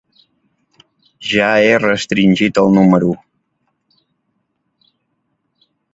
Ja he restringit el número.